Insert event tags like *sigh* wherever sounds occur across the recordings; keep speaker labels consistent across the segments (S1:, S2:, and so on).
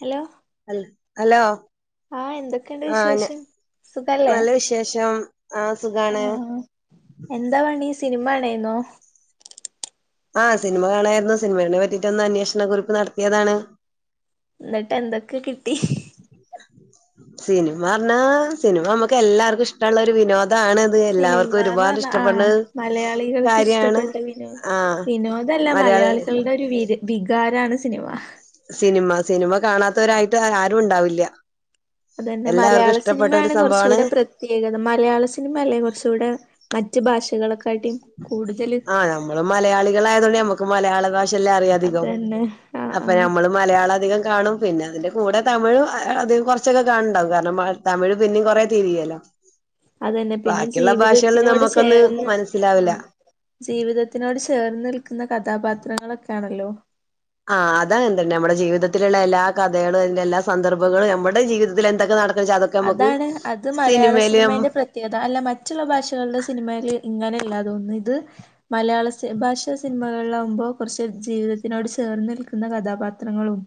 S1: Hello
S2: അൽ hello
S1: ആഹ് എന്തൊക്കെയുണ്ട്
S2: ആ ന
S1: വിശേഷം സുഖല്ലേ
S2: നല്ല വിശേഷം ആഹ് സുഖാണ്
S1: ആഹ് എന്താ പണി സിനിമാണേയ്ന്നോ
S2: ആഹ് സിനിമ കാണായിരുന്നു സിനിമനെ പറ്റിട്ടൊന്ന് അന്വേഷണ കുറിപ്പ് നടത്തിയതാണ്
S1: ന്നട്ട് എന്തൊക്കെ കിട്ടി
S2: സിനിമ പറഞ്ഞാ സിനിമ നമുക്ക് എല്ലാർക്കും ഇഷ്ടമുള്ള ഒരു വിനോദാണ് ഇത് എല്ലാവർക്കും
S1: സിനിമന്ന്
S2: ഒരുപാട്
S1: പറഞ്ഞ ആ
S2: ഇഷ്ടപ്പെടണ
S1: മലയാളികൾക്ക്
S2: കാര്യാണ്
S1: ഇഷ്ടപ്പെട്ട വിനോദ്
S2: ആഹ്
S1: വിനോദല്ല
S2: മലയാള
S1: മലയാളി *unintelligible* ഒരു വിര് വികാരാണ് സിനിമ
S2: സിനിമ സിനിമ കാണാത്തവരായിട്ട് ആരും ഉണ്ടാവില്ല
S1: അതന്നെ
S2: എല്ലാവർക്കും ഇഷ്ടപ്പെട്ട ഒരു
S1: മലയാളസിനിമേണ്
S2: സംഭവമാണ്
S1: കൊറ്ച്ചൂടെ പ്ര ത്യേകത മലയാളസിൻമല്ലേ കൊറ്ച്ചൂടെ മറ്റുഭാഷകളെക്കാട്ടിം കൂടുതല്
S2: മ്മള് മലയാളികളയതോണ്ട് നമ്മ്ക്ക് മലയാളഭാഷല്ലെ അറിയാധികം
S1: അതന്നെ ആഹ്
S2: അപ്പ
S1: ആഹ്
S2: നമ്മള് മലയാളഅധികംകാണും പിന്നഅതിന്റെകൂടെ തമിഴും അധികം കൊറ്ച്ചൊക്കെകാണണ്ടാവും കാര്ണം തമിഴ് പിന്നിം കൊറേതിരിയലൊ
S1: അതന്നെ
S2: നമുക്കൊന്ന്
S1: പിന്നെജീവിതത്തിനോട്ചേർ
S2: മനസ്സിലാവില്ല
S1: ആഹ് ജീവിതത്തിനോട്ചേർന്ന്ൽക്കുന്ന കഥാപാത്രങ്ങളൊക്കാണല്ലോ
S2: ആഹ് അതങ്ങൻതന്നെ നമ്മ്ടെ ജീവിതത്തിലുള്ള എല്ലാകഥകളും അതിന്റെ എല്ലാസന്ദർഭങ്ങളും നമ്മടെ ജീവിതത്തിലെന്തെക്കെ നടക്ക്ണ് ച്ചതൊക്കെ
S1: അതാണ് അത് മലയാളസിനിമേന്റെ പ്ര ത്യയത അല്ലമറ്റ്ള്ള ഭാഷകൾടെ സിനിമെയില് ഇങ്ങനെല്ലാതോൺന്ന് ഇത് മലയാളസി ഭാഷാ സിനിമകൾളാവുമ്പോ കൊറ്ച്ച് ജീവിതത്തിനോട്ചേർന്ന്ൽക്കുന്ന കഥാപാത്രങ്ങളും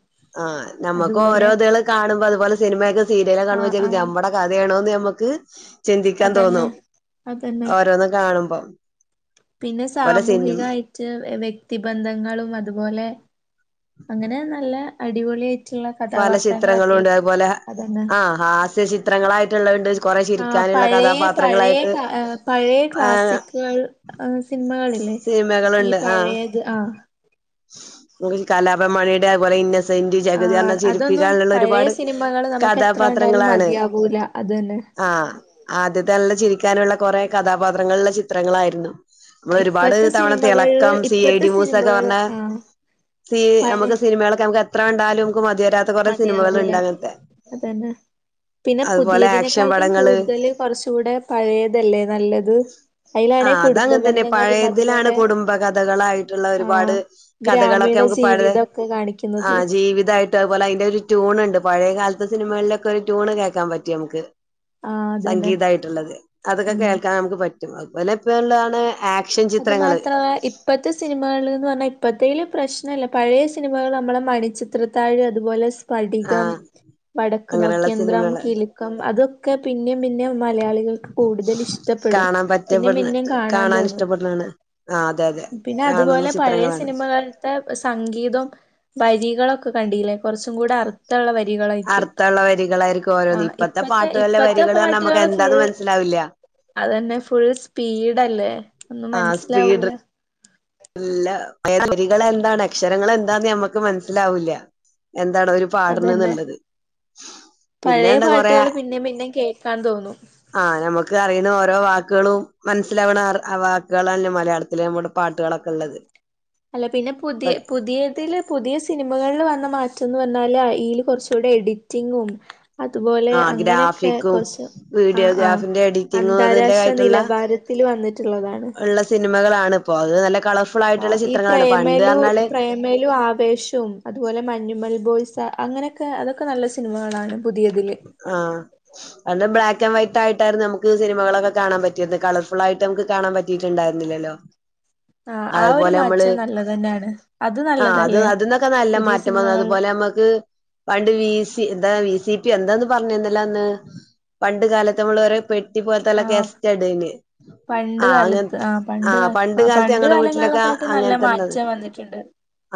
S2: ആഹ്
S1: അതുപോലെ
S2: നമ്മ്ക്കോരോത്കള് കാണുമ്പോ അത്പോലെ സിനിമയൊക്കെ സീര്ര്യലൊക്കെ കാണുമ്പോ
S1: ആഹ് ആഹ്
S2: *unintelligible* നമ്മ്ടെ കഥയാണോന്ന്നമ്മക്ക്
S1: അതന്നെ
S2: ചിന്തിക്കാൻതോന്നും
S1: അതന്നെ
S2: ഓരോന്ന്കാണുമ്പോം
S1: പിന്നെ സാമൂഹികായി റ്റ് വെക്തിബന്ധങ്ങളും അത്പോലെ അങ്ങനെനല്ലഅടിപൊളിയായി റ്റ്ള്ള
S2: പല ചിത്രങ്ങളുണ്ട്
S1: കഥാപാത്രങ്ങളൊക്കേക്ക്
S2: അതുപോലെ
S1: അതന്നാ
S2: ആഹ് ഹാസ്യ ചിത്രങ്ങളായിട്ട്ള്ളത്ണ്ട്
S1: ആഹ് പഴേ പഴേ കാ
S2: ആഹ്
S1: പഴേക്ലാസിക്കുകൾ ആ സിൻമകളില്ലേ ഈ പഴയത് ആഹ്
S2: ഇൻക് കാലാബൻമണിയുടെ അത്‌പോലെ ഇന്നസെന്റ്,
S1: ആ
S2: ജഗതി അർഞ്ഞേ
S1: അതൊന്നും പഴയ സിനിമകള് നമുക്ക് എത്ര കണ്ടാലും
S2: ചിരിപ്പിക്കാൻള്ളള്ളൊര്പാട്കഥാപാത്രങ്ങളാണ്
S1: മതിയാവൂല അതന്നെ
S2: ആഹ് ആദ്യത്തെനല്ല ചിരിക്കാനുള്ളകൊറെകഥാപാത്രങ്ങൾള്ള ചിത്രങ്ങളായ്രുന്നു
S1: ഇപ്പത്തെ
S2: മ്മളൊര്പാട്തവണ
S1: സിനിമകളില്
S2: തിളക്കം, സി
S1: ഇപ്പത്തെ
S2: ഐഡി
S1: സിനിമകള്
S2: മൂസക്കപറ്ഞ്ഞ
S1: ആ
S2: സീ
S1: പഴയ
S2: അമ്മ്ക്ക് സിനിമകളക്കെനമുക്കെത്രകണ്ടാലും മ്മ്ക്ക് മതിവരാ
S1: മതിയാകുല അതന്നെ പിന്നെ
S2: അതുപോലെ ആക്ഷൻ
S1: പുതിയതിനെക്കാട്ടിം
S2: പടങ്ങള്
S1: കൂട്തല് കൊറ്ച്ചുടെ പഴേതല്ലേനല്ലത്?
S2: ആഹ് അതങ്ങൻതന്നെ പഴേതിലാണ്
S1: അതുപോലെ
S2: കുടുംബകഥകളായിട്ടുള്ളഒരുപാട്
S1: ആഹ് ഗ്രാമീണ
S2: കഥകളൊക്കെമ്മുക്ക്പട്ത്
S1: ജീവിതൊക്കെ കാണിക്കുന്നത്
S2: ആഹ് ജീവിതായ് ട്ടഹ് പോലെ അതിന്റൊരു ട്യൂണ് ണ്ട് പഴേകാൽത്തെ സിനിമകൾളൊക്കെ ട്യൂണ്കേക്കാംപറ്റുംമ്മുക്ക്
S1: ആഹ് അതന്നെ
S2: സംഗീതായ്ട്ട്ള്ളത്
S1: ഉം
S2: അതൊക്കെകേൾക്കാൻ അമുക്ക്പറ്റും അത്‌പോലെഇപ്പോള്ളതാണ് ആക്ക്
S1: അത് മാത്രവേ ഇപ് ഇപ്പോത്തെ സിനിമാള്ന്ന് പറ്ഞ്ഞാ ഇപ്പോത്തേല് പ്രശ്നല്ല പഴേസിനിമകള്മ്മളെ മണിച്ചിത്രത്താഴ്അത്പോലെ പടികം,
S2: ആഹ് അങ്ങനെയുള്ള
S1: വടക്ക്നോക്കിയന്ത്രം,
S2: സിനിമകള്
S1: കിലക്കം അതൊക്കെപിന്നെംപിന്നെം മലയാളികൾക്ക് കൂടുതല് ഇഷ്ടപ്പെടും പിന്നിംപിന്നിം കാണാൻതോന്നും
S2: ണ് ണ് ആഹ് അതെഅതെ
S1: പിന്നെ അത്പോലെ പഴേസിനിമകൾ സംഗീതം വരികളൊക്കെകണ്ടീലേ കൊറ്ച്ചുംകൂടെഅർ
S2: അർത്ഥള്ളവരികളായ്രിക്കു ഓരോന്ന്
S1: ആഹ്
S2: ഇപ്പത്തെ പാട്ട്കൾലെ
S1: ഇപ്പത്തെ
S2: വരികള് പറ്ഞ്ഞ
S1: പാട്ടുകള് ഫുൾ
S2: നമ്മക്കെന്താന്ന്മൻ സ്സിലാവില്ല
S1: അതന്നെ ഫുൾസ്പീഡല്ലേ ഒന്നുംമൻസ്സിലാവൂല
S2: ല്ല *unintelligible* എന്താണ് അക്ഷരങ്ങളെന്താന്ന്ഞമ്മക്ക് മൻസ്സിലാവൂല്ല എന്താണ്ഒരു
S1: അതന്നെ
S2: പാട്ണ്ന്ന്ള്ളത്
S1: പഴയ
S2: പിന്നെണ്ട്കൊറെ
S1: പാട്ടുകൾ പിന്നേം പിന്നേം കേക്കാൻ തോന്നും
S2: ആഹ് ഞമ്മക്ക് അറിയ്ണ ഓരോ വാക്ക്ക്ളും മൻസ്സിലാവ്ണ ആർ വാക്കുകളല്ല മലയാളത്തില് നമ്മുടെ പാട്ട്കളൊ ക്കള്ളത്
S1: അല്ലപിന്നെ പുതിയ പുതിയതില് പുതിയ സിനിമകൾള് വന്നമാറ്റംന്ന്പറ്ഞ്ഞാല് അയ്ല് കൊറ്ച്ചൂടി എഡിറ്റിങ്ങും അത്പോലെ
S2: ആ
S1: അങ്ങനൊക്കെ
S2: ഗ്രാഫിക്കും
S1: കൊറ്ച്ച് ആഹ് ആഹ്
S2: വീഡിയോഗ്രാഫിന്റെ എഡിറ്റിങ്ങും അതിന്റെ
S1: അന്താരാഷ്ട്രനിലബാര ത്തില് വന്ന്ട്ട് ള്ളതാണ്.
S2: ള്ള സിന് മകളാണ്പ്പൊ അത് നല്ലകളർഫുളായ്ട്ടുള്ള ചിത്രങ്ങളാണ് പണ്ട് അർഞ്ഞാല്
S1: മേലും, ആവേഷും, അതുപോലെ മഞ്ഞുമൽ ബോയ്സ, അങ്ങനെയൊക്കെ അതൊക്കെ നല്ല സിനിമകളാണ്. പുതിയതില്.
S2: ആഹ്. അന്ന് ബ്ലാക്കെൻവൈറ്റ്, ആയിട്ടായിരുന്നു നമുക്ക് സിനമകളൊക്കെ കാണൻ പറ്റിയത്. കളർഫുള്ളായി്ട്ട് നമുക്ക് കാണാൻ പറ്റ് റ്റീട്ട് ണ്ടായിരുന്നില്ലല്ലോ.
S1: ആ ആ ഒരു
S2: അതുപോലെ നമ്മള്
S1: മാറ്റം നല്ലതന്നെയാണ് അത്
S2: ആഹ് അത്
S1: നല്ലതല്ലേ
S2: അത് ന്നൊക്കെ നല്ല
S1: പുതിയ
S2: മാറ്റം വന്ന
S1: സിനിമകളില്
S2: അതുപോലെ നമ്മ ക്ക് പണ്ട് വി. സി. എന്താ വി. സി. പി. എന്തേന്ന് പറഞ്ഞീന്നല്ലേ അന്ന്. പണ്ട് കാലത്ത്, നമ്മള് ഓരേ പെട് ട്ടി പോലത്തെല്ല
S1: ആ
S2: കേസ്റ്റാ ഇടെയ്ന്ന്.
S1: പണ്ട്
S2: ആഹ്
S1: കാലത്ത്
S2: അങ്ങെൻത്
S1: ആ
S2: ആഹ്,
S1: കാല
S2: പണ്ട്
S1: ആ
S2: കാലത്ത് ഞങ്ങടെ വീട്ടിലൊക്കെ
S1: കാലങ്ങളെക്കാട്ടി നല്ല
S2: അങ്ങൻത്തള്ളത്.
S1: മാറ്റം വന്നിട്ടുണ്ട്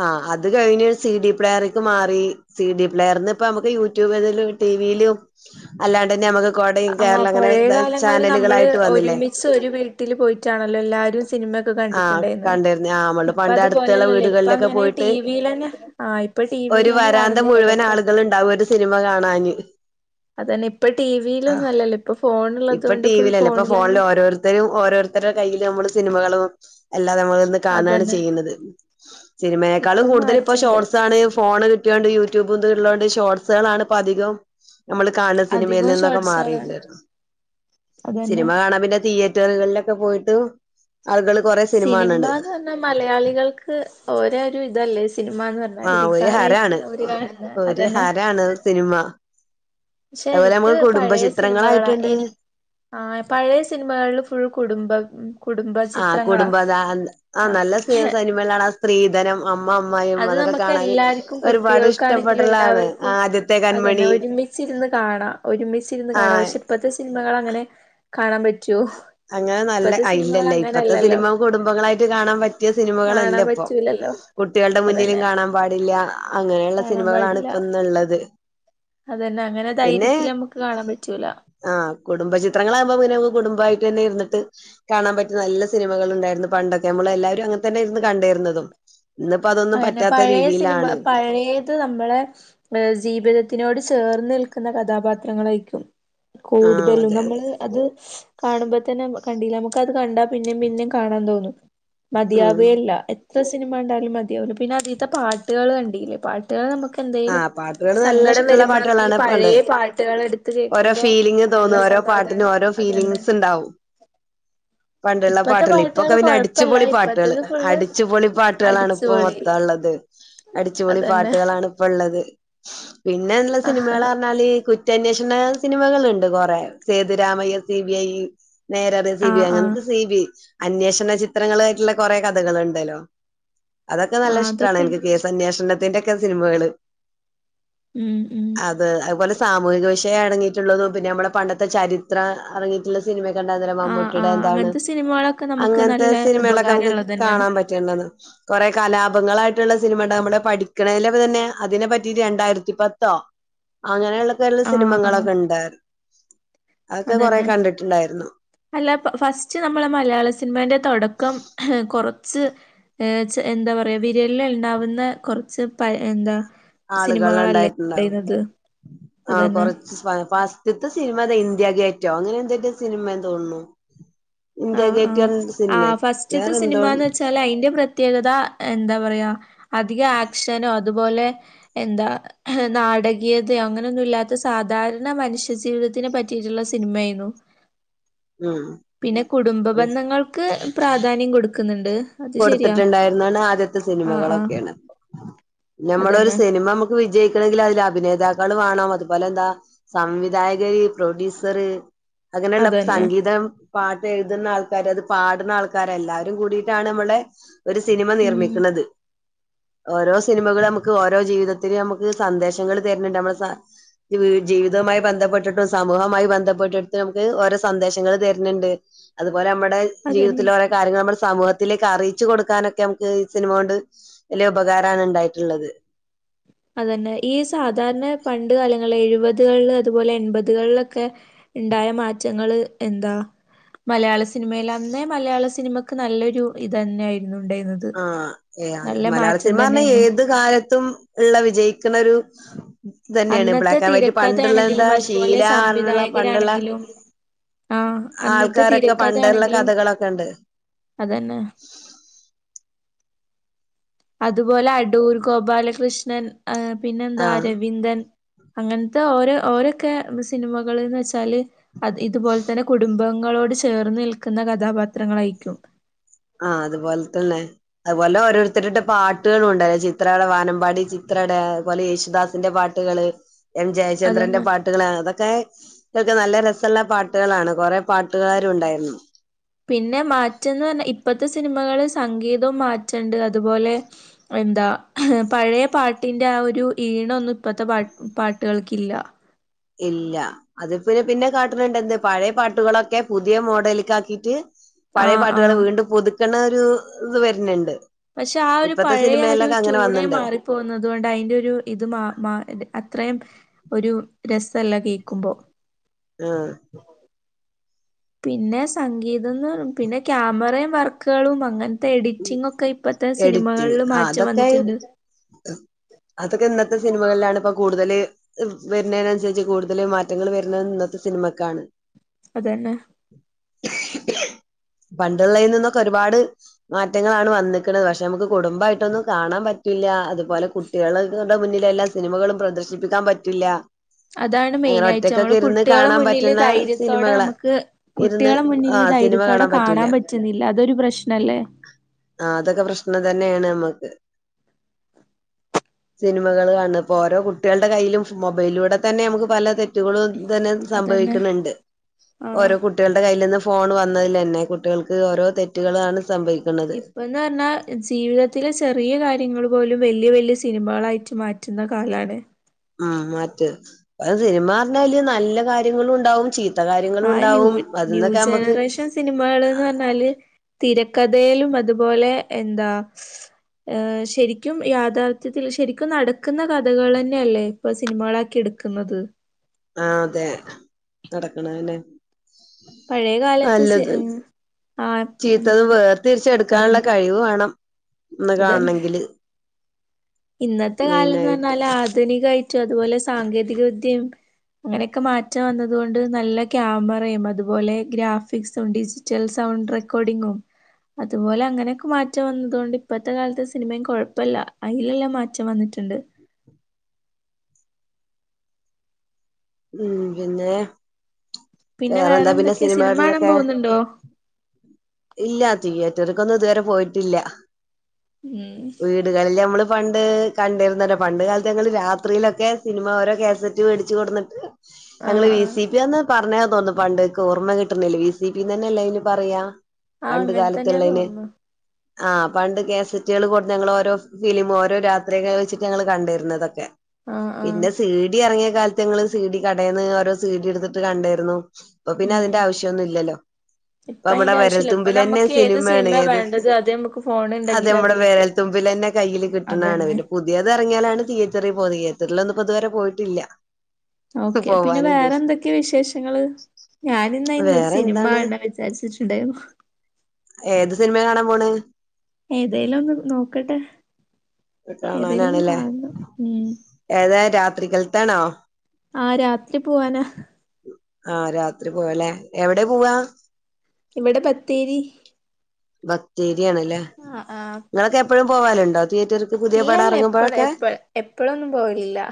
S2: ആഹ്, അത് കഴിഞ് സി. ഡി. പ്ലെയർക്ക് മാറി. സി. ഡി. പ്ലെയർന്ന് പ്പ നമുക്ക് യൂട്യൂബ്തിൽ. ടി. വീ. ലും അല്ലാണ്ടെന്നെ നമ്മക്ക്.
S1: ആഹ്, പഴെ കാലങ്ങളിൽ നമ്മള്.
S2: വന്നില്ലേ
S1: ഒരുമിച്ച് ഒരു വീട്ടിൽ പോയിട്ടാണല്ലോ എല്ലാരും. സിനിമെക്കെ
S2: ആഹ്
S1: കണ്ടിട്ടുണ്ടായിന്ന്
S2: കണ്ടിരുന്നു ആഹ് നമ്മള്
S1: ഇപ്പ
S2: പണ്ട് അടുത്തുള്ള
S1: അതുപോലെല്ലല്ലോ ഇപ്പ
S2: വീടുകളിലൊക്കെ
S1: അങ്ങനെ ടി.
S2: പോയിട്ട്
S1: വീ. ലെന്നെ. ആഹ്. ഇപ്പ ടി. വീ.
S2: ഒരു
S1: ലെന്നെ
S2: വരാന്ത
S1: കാണുന്നില്ലല്ലോ
S2: മുഴുവൻ
S1: ഇപ്പൊ.
S2: ആളുകൾ ഉണ്ടാവും ഒരു സിനിമ കാണാന്.
S1: അതന്നെ ഇപ്പ
S2: ആ
S1: ടിവിയിലൊന്നല്ലല്ലോ. ഇപ്പ ഫോണ്ള്ളത് കൊണ്ട് ഫുൾ ഫോണിലെന്നെ.
S2: ഇതരും ഓരോര്ത്തരെ കയ്യീല് നമ്മള് സിനിമകളും എല്ലാം, നമ്മൾ ഇന്ന് കാണാണ്
S1: അതന്നെ
S2: ചെയ്യുന്നത്. സിനിമയേക്കാളും
S1: ഇപ്പം
S2: കൂടുതല് ഇപ്പൊ,
S1: മാറ്റണ്ട്
S2: ഷോർട്സാണ്. ഫോണ് ക് ക്യേണ്ട് യൂട്യൂബും ത്ള്ളേണ്ട് ഷേട്സെളാണ് പ്പ അധികം. നമ്മള് കാൺണ സിനിമയിൽ
S1: അധികവും
S2: നിന്നൊക്കെ
S1: ഷോർട്സുകളാണ്
S2: മാറിയില്ലായിരുന്നു.
S1: അതന്നെ
S2: സിനിമ കാണാൻ പിന്നെ, തിയേ റ്ററികളിലൊക്കെ പോയിട്ട്. ആളുകൾ കെറെ
S1: സിനിമാന്ന് പറഞ്ഞാ, മലയാളികൾക്ക് ഓരോ രു തല്ലേ സിനിമാന്ന് പറ
S2: ആ
S1: അര്
S2: ഒരു
S1: വികാരായിട്ട്
S2: ഹരാണ്
S1: ഓര് കാൺണ് അതന്നെ.
S2: സിനിമാ
S1: പക്ഷെ എനിക്ക് പഴയ സിനിമകളാ
S2: ചിത്രങ്ങളായിട്ടുണ്ട്
S1: എനിക് ആഹ്, പഴയ സിനിമകളിൽ ഫുൾ കുടുംബം.
S2: ആഹ്, കുടുംബതാ ആഹ്, നല്ല സിനിമെന്നാണ് ആ സ്ത്രീധനം. അമ്മ, അമ്മായമ്മ,
S1: അത്
S2: അതൊക്കെ
S1: നമുക്ക്
S2: കാണാന്
S1: എല്ലാർക്കും
S2: ഒരുപാട്
S1: കുട്ടികൾക്കാണെങ്കിലും
S2: ഇഷ്ടപ്പെട്ട്ള്ളതാണ് ആദ്യത്തെ കന്മണി.
S1: ച്ചിരുന്ന് കാണാം, ഒരുമിച്ചിരുന്ന്കാണാ, പക്ഷെ ഇപ്പത്തെ സിനിമകളങ്ങനെ
S2: അങ്ങനെ നല്ല
S1: സിനിമകൾ
S2: ഇല്ലല്ല ഇപ്പത്തെ
S1: അങ്ങനല്ലല്ലോ
S2: സിനിമ കുടുംബങ്ങളായിട്ട് കാണാൻ പറ്റ് പറ്റിയ
S1: കാണാൻ
S2: സിനിമകളെല്ല ഇപ്പൊ
S1: പറ്റൂലല്ലോ
S2: കുട്ടികളുടെ മുന്നിലും
S1: അതന്നെ
S2: കാണാൻ പാടില്ല്യ. അങ്ങനെയുള്ള
S1: കാണാൻ
S2: സിനിമകളാണ് ഇപ്പം ഇന്ന് ഉള്ളത്.
S1: അതെന്നെ അങ്ങനെ ധൈര്യത്തില് നമ്മക്ക് കാണാൻ പറ്റൂല.
S2: ആഹ് കുടും ചിത്രങ്ങളാകുമ്പോ, പിന്നെ, നമ്മക്ക് കുടുംബായിട്ടെന്നെ ഇരുന്നിട്ട് കാണാൻ പറ്റിയ നല്ല സിനിമകൾ ണ്ടായിരുന്നു പണ്ടൊക്കെ. നമ്മളെ എല്ലാരും അങ്ങൻതന്നെ ഇരുന്നു കണ്ടെര്ന്നതും. ഇന്ന്പ്പം അതൊന്നും പറ്റാത്ത രീതിയിലാണ്.
S1: പഴയേ ത്ത് നമ്മളെ, ജീവിതത്തിനോട് ചേർന്ന് നിൽക്കുന്ന കഥാപാത്രങ്ങളായിരിക്കും.
S2: ആ
S1: കൂട്തലും
S2: അതെ
S1: നമ്മള് അത് കാണുമ്പ തന്നെ കണ്ടീലെ നമ്മക്ക് അത് കണ്ടാ പിന്നെയും പിന്നയും കാണാൻ തോന്നും
S2: ഉം
S1: മതിയാവേ ഇല്ല. എത്ര സിനിമകണ്ടാലും മതിയാവില്ല. പിന്നെ അതീത്തെ പാട്ട്കള് കണ്ടില്ലേ പാട്ട് ട്ട്കള് നമ്മക്ക്
S2: ആഹ് പാട്ടുകള് നല്ല
S1: എന്തെലുംസങ്കടം
S2: ഇഷ്ടമുള്ള
S1: വരുമ്പോഴൊക്കെ ഈ
S2: പാട്ടുകളാണ് പണ്ട്
S1: പഴയ പാട്ട്കള് എടുത്ത് കേ
S2: ഓരോ ഫീലിംങ് തോന്നും ഓരോ പാട്ടിന് ഓരോ
S1: അതന്നെ
S2: ഫീലിംഗ്സ് ഉണ്ടാവും പണ്ട്ള്ള
S1: ഇപ്പത്തെ
S2: പാട്ടുകള് ഇപ്പൊക്കെ പിന്നെ
S1: കൊഴപ്പല്ല
S2: അടിച്ചുപൊളി പാട്ടുകള്
S1: ഇപ്പത്തത് ഫുള്ള്
S2: അടിച്ചുപൊളി പാട്ടുകളാണ് ഇപ്പം
S1: അടിച്ചുപൊളി
S2: മൊത്തം ഉള്ളത്. അടിച്ചുപൊളി
S1: അതന്നെ
S2: പാട്ട്കളാണ് ഇപ്പള്ളത്. പിന്നെള്ള
S1: ആഹ്
S2: സിനിമകള് പറഞ്ഞാല് കുറ്റ അന്വേഷണ സിനിമകള്ണ്ട് കുറെ സേതുരാമയ്യ, സി. ബി. ഐ നേരറിയാ സി. ബി.
S1: ആഹ് ആഹ്
S2: അങ്ങനത്തെ സി. ബി. അന്വേഷണ ചിത്രങ്ങളായിട്ട്ള്ള കൊറെ കഥകളുണ്ടല്ലോ. അതൊക്കെ നല്ല
S1: ആഹ്
S2: ഇഷ്ടാണ് എനിക്ക്
S1: അതൊക്കെണ്ട് പക്ഷെ
S2: കേസ് അന്വേഷണത്തിന്റെ ഒക്കെ സിനിമകള്.
S1: ഉം ഉം
S2: അത് അതുപോലെ സാമൂഹിക വിഷയം അടങ്ങിയിട്ടുള്ളതും പിന്നെ നമ്മളെ പണ്ടത്തെ ചരിത്ര അടങ്ങിയിട്ട്ള്ള സിനിമെ കണ്ട അന്നേരം
S1: ആഹ്
S2: മമ്മൂട്ടിടെ
S1: ആഹ്
S2: എന്താണ്
S1: അങ്ങനത്തെ സിനിമകളൊക്കെ നമുക്ക്
S2: അങ്ങനത്തെ
S1: നല്ല
S2: സിനിമ കളൊക്കെ നമുക്ക്
S1: ഉപകാരള്ളതന്നെയാണ്
S2: കാണാൻ പ റ്റിയിണ്ടാർന്ന് കൊറെ കലാപങ്ങളായിട്ടുള്ള സിനിമ കണ്ട് നമ്മള് പഠിക്കണേതിലെ തന്നെ അതിനെപ്പറ്റി രണ്ടായിരത്തി പത്തോ അങ്ങനെയുള്ളക്കെ ഓരോരോ
S1: ആഹ് ആഹ്
S2: സിനിമങ്ങളൊക്കെ ഇണ്ടായിരുന്നു അതൊക്കെ കൊറെ
S1: അതന്നെ
S2: കണ്ടിട്ടുണ്ടായിരുന്നു
S1: അല്ല ഫസ്റ്റ് നമ്മളെ മലയാള സിനിമേന്റെ തൊടക്കം കൊറച്ച് ഏഹ് എന്താ പറയാ വിരലിലെണ്ണാവുന്ന കൊറച്ച് പഴയ എന്താ
S2: ആളുകള്
S1: സിനിമകളല്ലേ
S2: ഇണ്ടായിട്ടുണ്ടാവും
S1: ഉണ്ടായിരുന്നത്
S2: ആഹ് കൊറ
S1: അതന്നെ
S2: ച്ച് ഫസ്റ്റത്തെ സിനിമ ഏതാ ഇന്ത്യ ഗേറ്റോ അങ്ങനെ എന്തൊക്കെ സിനിമയാ തോന്ന്ണു ഇന്ത്യ
S1: ആഹ് ആഹ്
S2: ഗേറ്റ്ന്ന് പറഞ്ഞ സിനിമയോ വേറെ എന്തോ
S1: ച്ചാലയിന്റെ പ്ര ത്യേകത എന്താ പറയാ അധിക ആക്ഷനോ അതുപോലെ എന്താ നാടകീയതയോ അങ്ങനെയൊന്നും ഇല്ലാത്ത സാധാരണ മനുഷ്യ ജീവിതത്തിനെ പറ്റിയിട്ടുള്ള സിനിമേയിനു
S2: ഉം
S1: പിന്നെ കുടുംബ ബന്ധങ്ങൾക്ക് പ്രാധാന്യം കൊടുക്ക്ന്ന്ണ്ട്
S2: കൊടുത്തിട്ടുണ്ടായിരുന്നാണ് ആദ്യത്തെ
S1: ആഹ് ആഹ്
S2: സിനിമകളൊക്കെയാണ് ഞമ്മടെ ഒരു
S1: അതന്നെ
S2: സിനിമ മു ത് വിജയിക്കണെങ്കില് അതില് അഭിനേതാക്കള് വേണം അതുപോലെ എന്താ സംവിധായകര്, പ്രൊഡ്യൂസറ് അങ്ങനെള്ള
S1: അതന്നെ
S2: സംഗീതം പാട്ട് എഴുതുന്ന ആൾക്കാര് അത് പാടുന്ന ആൾക്കാര് എല്ലാരും കൂടി ട്ടാണ് അമ്മടെ ഒരു സിനിമ
S1: ഉം
S2: നിർമ്മിക്ക്ണത്. ഓരോ സിനിമകള് അമ്മക്ക് ഓരോ ജീവിതത്തില് ഞമുക്ക് സന്ദേശങ്ങള് തര്ന്ണ്ട്. അമ്മടെ സ ജീവിതവുമായി ബന്ധപ്പെട്ടിട്ടും സമൂഹവുമായി ബന്ധപ്പെട്ടിട്ട് നമുക്ക് ഓരോ സന്ദേശങ്ങള് തര്ന്ണ്ട്. അതുപോലെ ഞമ്മടെ
S1: അതന്നെ
S2: ജീവിതത്തില് ഓരോ കാര്യങ്ങൾ അമ്മള് സമൂഹ ത്തിലേക്ക് അറിയിച്ചു കൊടുക്കാനൊക്കെ അമ്മക്ക് ഈ സിനിമ കൊണ്ട് വെല്ല്യ ഉപകാരാണ് ഇണ്ടായിട്ടുള്ളത്.
S1: അതന്നെ. ഈ സാധാരണ പണ്ട് കാലങ്ങളി എഴുവതുകളിൽ അതുപോലെ എൺപതുകളിലൊക്കെ ഇണ്ടായ മാറ്റങ്ങള് എന്താ. മലയാള സിനിമയില് അന്നേ മലയാള സിനിമക്ക് നല്ലൊരു ഇതെന്നേ ആയിരുന്നു ഉണ്ടായിരുന്നത്.
S2: ആഹ്. ഏഹ്
S1: നല്ല
S2: മലയാള
S1: മാറ്റം
S2: സിനിമാറ്ഞ്ഞാൽ
S1: തന്നെയായിരുന്നു.
S2: ഏത് കാലത്തും ഇള്ള വിജയിക്ക്ണ ഒരു തന്നേണ്.
S1: അന്നത്തെ
S2: ബ്ലാക്ക് ആൻഡ് വൈറ്റ്. പണ്ടുള്ള
S1: തിരക്കഥയാണെങ്കിലും
S2: എന്താ
S1: അതുപോലെ
S2: ഷീല അറ്ഞ്ഞുള്ള പണ്ടുള്ള
S1: സംവിധായകരാണെങ്കിലും ആഹ് അന്നത്തെ
S2: ആൾക്കാരൊക്കെ പണ്ടേ ഇള്ള
S1: തിരക്കഥയാണെങ്കിലും
S2: കഥകളൊക്കെണ്ട്.
S1: അതന്നെ അതുപോലെ അടൂർ ഗോപാലകൃഷ്ണൻ, പിന്നെ എന്താ
S2: ആഹ്
S1: അരവിന്ദൻ, അങ്ങൻത്തെ ഓര് ഓരോക്കെ സിനിമകള്ന്ന് വെച്ചാല്. അത് ഇതുപോലെ തന്നെ കുടുംബങ്ങളോട് ചേർന്ന് നിൽക്കുന്ന കഥാപാത്രങ്ങളായിക്കും.
S2: ആ അതുപോൽത്തല്ലെ. അതുപോലെ ഓരോരുത്തരുടെ പാട്ടുകള് ഒണ്ട്ലെ. ചിത്രടെ വാനമ്പാടി ചിത്രടെ അതുപോലെ യേശുദാസിന്റെ പാ പാട്ടുകള് എം ജയചന്ദ്രന്റെ
S1: അതന്നെ
S2: പാട്ടുകള് അതൊക്കെ ഇതൊക്കെ നല്ല രസള്ള പാട്ടുകളാണ്. കൊറെ പാട്ടുകാരും ഉണ്ടായിരുന്നു.
S1: പിന്നെ മാറ്റന്ന് പറ്ഞ്ഞ ഇപ്പത്തെ സിനിമകള് സംഗീതോം മാറ്റണ്ട്. അതുപോലെ എന്താ പഴയ പാട്ടിന്റെ ആ ഒരു ഈണൊന്നും ഇപ്പത്തെ പാ പാട്ടുകൾക്കില്ല.
S2: ഇല്ല അത് പിന്നെ പിന്നെ കാട്ട്ണ് ഇണ്ട്. എന്ത് പഴേ പാട്ടുകളൊക്കെ പുതിയ മോഡല്ക്കാക്കീട്ട്. പഴയ
S1: ആഹ്
S2: പാട്ടുകളെ
S1: ആഹ്
S2: വീണ്ടും പുതുക്ക്ണ ഒരു ഇത് വര്ന്ണ്ട്.
S1: പക്ഷെ ആ ഒരു പഴയ ഒരു ട്യൂണേ മാറി പോവുന്നതുകൊണ്ട് അതിന്റെ ഒരു ഇത് മാ മാ അത്രേം ഒരു രസല്ല കേക്കുമ്പം
S2: ആ
S1: പിന്നെ സംഗീതന്ന് പിന്നെ ക്യാമറേം വർക്കുകളും അങ്ങൻ ത്തെ എഡിറ്റിങ്ങൊക്കെ ഇപ്പത്തെ
S2: എഡിറ്റിങ്
S1: സിനിമകളില്
S2: ആ
S1: മാറ്റം
S2: അതൊക്കെ ഈ
S1: വന്നിട്ട്ണ്ട്.
S2: അതൊക്കെ ഇന്നത്തെ സിനിമകളിലാണ് ഇപ്പോ കൂടുതല്. വരുന്നേനൻസരിച്ച് കൂടുതല് മാറ്റങ്ങൾ വരുന്നത് ഇന്നത്തെ സിനിമക്കാണ്.
S1: അതെന്നെ
S2: പണ്ടുള്ളേയ്ൽ നിന്നൊക്കെ ഒരുപാട് മാറ്റങ്ങളാണ് വന്ന്ക്ക്ണത്. പക്ഷെ നമുക്ക് കുടുംബമായിട്ടൊന്നും കാണാൻ പറ്റില്ല. അതുപോലെ കുട്ടികളുടെ മുന്നിൽ എല്ലാ സിനിമകളും പ്രദർശിപ്പിക്കാൻ പറ്റില്ല.
S1: അതാണ്
S2: അങ്ങനെ
S1: മെയിനായിട്ട്
S2: ഒറ്റക്കൊക്കെ
S1: നമ്മള്
S2: ഇരുന്ന്
S1: കുട്ടികളെ
S2: കാണാൻ
S1: മുന്നില്
S2: പറ്റുന്ന
S1: ധൈര്യത്തോടെ
S2: സിനിമകളാ
S1: നമുക്ക്
S2: ഇരുന്ന്
S1: കുട്ടികളെ മുന്നിൽ
S2: ആഹ് സിനിമ
S1: ധൈര്യത്തോടെ
S2: പറ്റൂല.
S1: കാണാൻ പറ്റുന്നില്ല അതൊരു പ്രശ്നല്ലേ.
S2: ആഹ് അതൊക്കെ പ്രശ്നം തന്നേണ് നമ്മക്ക്. സിനിമകൾ കാണ് ണത്. ഇപ്പോ ഓരോ കുട്ടികളുടെ കയ്യിലും മൊബൈലിലൂടെ തന്നെ നമുക്ക് പല തെറ്റുകളും ഇതന്നെ
S1: അതന്നെ
S2: സംഭവിക്ക്ണ് ഇണ്ട്.
S1: ആഹ്
S2: ഓരോ കുട്ടി കുട്ടികളുടെ കയ്യിൽ നിന്ന് ഫോൺ വന്നതിലെന്നെ കുട്ടികൾക്ക് ഓരോ തെറ്റുകളാണ് സംഭവിക്
S1: ഇപ്പ എന്ന് പറ്ഞ്ഞാ ജീവിതത്തിലെ ചെറിയ കാര്യങ്ങൾ പോലും വല്യ വല്യ സിനിമകളായിട്ട് മാറ്റുന്ന കാലാണ്.
S2: ഉം മറ്റെ ആഹ് സിനിമ പറ്ഞ്ഞാല് നല്ല കാര്യങ്ങളും ഇണ്ടാവും ചീത് - - *unintelligible*
S1: ആ ന്യൂ
S2: കാര്യങ്ങളുണ്ടാവും
S1: ന്യൂ
S2: അതിന്നൊക്കെ നമ്മക്ക്
S1: ജനറേഷൻ സിനിമകൾന്ന് പറഞ്ഞാല് തിരക്കഥയിലും അതുപോലെ എന്താ ശരിക്കും യാഥാർഥ്യത്തിൽ ശരിക്കും നടക്ക്ന്ന കഥകളെന്നെയല്ലേ ഇപ്പൊ സിനിമകളാക്കി എട്ക്ക്ന്നത്
S2: ആഹ് അതെ നടക്ക്ണതെന്നെ
S1: പഴയകാലത്ത് സി ഉം ആ
S2: ചീത്തതും വേർതിരിച്ചെട്ക്കാന്ള്ള
S1: അതന്നെ
S2: കഴിവ് വേണം ഇന്ന്
S1: ഉതൻ
S2: കാണണെങ്കില്
S1: ഇന്നത്തെ കാലം എന്ന്
S2: മെയിനായിട്ട്
S1: പറഞ്ഞാല് ആധുനികായിറ്റും അതുപോലെ സാങ്കേതിക വിദ്യയും അങ്ങനെയൊക്കെ മാറ്റം വന്നത് കൊണ്ട് നല്ല ക്യാമറയും അതുപോലെ ഗ്രാഫിക്സും ഡി റ്റൽ സൗണ്ട് റെക്കോർഡിങ്ങും അതുപോലെ അങ്ങനെയൊക്കെ മാറ്റം വന്നത് കൊണ്ട് ഇപ്പഴത്തെ കാലത്തെ സിനിമയും കൊഴപ്പല്ല അയിലെല്ലാം മാറ്റം വന്ന്ട്ട്ണ്ട്
S2: ഉം പിന്നെ വേറെന്താ പിന്നെ സിനിമയൊട്ള്ളൊക്കെ
S1: ണ്ടോ
S2: ഇല്ല തിയേറ്ററ്ക്കൊന്നും ഇതുവരെ പോയിട്ടില്ല
S1: ഉം
S2: വീട്കളിൽ നമ്മള് പണ്ട് കണ്ടിര്ന്നല്ലോ പണ്ട് കാലത്ത് ഞങ്ങള് രാത്രിയിലൊക്കെ സിനിമ ഓരോ കേസ റ്റ് വേടിച്ച് കൊടുന്നിട്ട് ഞങ്ങള്
S1: ആഹ് ആഹ്
S2: വിസിഡി അന്ന് പറഞ്ഞത് തോന്നുന്നു പണ്ട് ഇൻക്ക് ഓർമ്മ കിട്ട്ണില്ല വി സി ബിന്ന് തന്നെയല്ലേ അയിന് പറയാ
S1: ആഹ്
S2: പണ്ട്
S1: അങ്ങനെ തന്നെയാ
S2: കാലത്ത്ള്ളേന്
S1: തോന്നുന്നു
S2: ആഹ് പണ്ട് കേസറ്റേള് കൊട്ന്ന് ഞങ്ങള് ഓരോ ഫിലിം ഓരോ രാത്രിയൊക്കെ വെച്ചിട്ട് ഞങ്ങള് കണ്ടിര്ന്നതൊക്കെ
S1: ആഹ് ആഹ്
S2: പിന്നെ സിഡി എറങ്ങിയ കാലത്ത് ഞങ്ങള് സീഡി കടേന്ന് ഓരോ സീഡി എട്ത്തിട്ട് കണ്ടിര്ന്നു ഇപ്പോ പിന്നെ
S1: ഉം
S2: അതിന്റെ ആവശ്യോന്നും ഇല്ലല്ലോ
S1: ഇപ്പ
S2: ഇപ്പൊ ഇവടെ
S1: അയിന്റെ
S2: വെരൽ
S1: ആവശ്യല്ല ഇപ്പൊ
S2: തുമ്പിലെന്നെ
S1: നമ്മക്ക് ഏത്
S2: സിനിമയാണ്
S1: സിനിമ
S2: ഏത്
S1: വേണ്ടത് അത് നമുക്ക് ഫോൺ
S2: അതെ
S1: ഉണ്ടെങ്കിൽ അത്
S2: നമ്മടെ വെരൽ
S1: കിട്ടും
S2: തുമ്പിലെന്നെ കയ്യില് കിട്ട്ണാണ്
S1: അതന്നെ
S2: പിന്നെ പുത്യേത് എറങ്ങിയാലാണ് തിയേറ്ററിൽ പോകുന്നത് തിയേറ്ററിലൊന്നും ഇപ്പ ഇതുവരെ പോയിട്ടില്ല
S1: ഓക്കെ പിന്നെ
S2: പോവാനും
S1: വേറെ
S2: ഉദ്ദേശിച്ചു
S1: എന്തൊക്കെ വിശേഷങ്ങള് ഞാനിന്നയിന്നൊര്
S2: വേറെ
S1: സിനിമ
S2: എന്താണ്
S1: കാണണം വി വിചാരിച്ചിട്ട്ണ്ടായിന്നു
S2: ഏത് സിനിമെ കാണാൻ പോണത്
S1: ഏതേലും ഒന്ന് നോക്കട്ടെ ഏതേലും ഒന്ന്
S2: കാണാനാണല്ലേ
S1: കാണണം ഉം
S2: ഏതാ രാത്രിക്കല്ത്താണോ
S1: ആഹ് രാത്രി പോവാനാ
S2: ആഹ് രാത്രി പോവല്ലേ എവിടെ പോവാ
S1: ഇവിടെ ബത്തേരി
S2: ബത്തേരിയാണ്ല്ലേ
S1: ആഹ് ആഹ്
S2: ഇങ്ങളൊക്കെ എപ്പഴും പോവാല്ണ്ടോ തിയേറ്റർക്ക് പുതിയ പടം എറങ്ങ്മ്പഴൊക്കെ
S1: എപ്പഴെന്നും പോവലില്ല